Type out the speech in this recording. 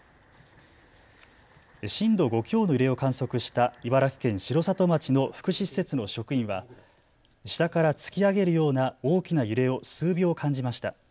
震度５強の揺れを観測した茨城県城里町の福祉施設の職員は下から突き上げるような大きな揺れを数秒、感じました。